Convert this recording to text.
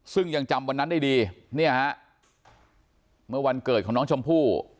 ซึ่งยังจำวันนั้นได้ดีเนี่ยฮะเมื่อวันเกิดของน้องชมพู่